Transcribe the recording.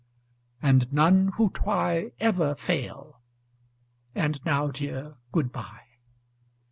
"And none who try ever fail. And now, dear, good bye."